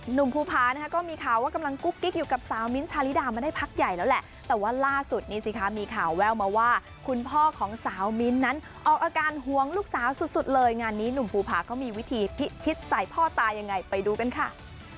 หนุ่มภูพานะคะก็มีข่าวว่ากำลังกุ๊กกิ๊กอยู่กับสาวมิ้นท์ชาลิดามาได้พักใหญ่แล้วแหละแต่ว่าล่าสุดนี้สิคะมีข่าวแววมาว่าคุณพ่อของสาวมิ้นท์นั้นออกอาการหวงลูกสาวสุดเลยงานนี้หนุ่มภูผาเขามีวิธีพิชิตใส่พ่อตายังไงไปดูกันค่ะ